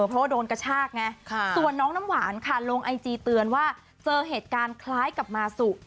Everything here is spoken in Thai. เพราะว่าโดนกระชากไงส่วนน้องน้ำหวานค่ะลงไอจีเตือนว่าเจอเหตุการณ์คล้ายกับมาสุ